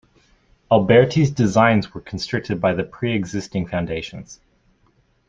Alberti's designs were constricted by the pre-existing foundations.